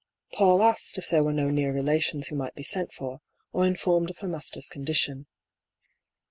PauU asked if there were no near relations who might be sent for, or informed of her master's condition.